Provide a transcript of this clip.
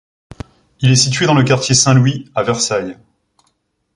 Il est situé dans le quartier Saint-Louis, à Versailles.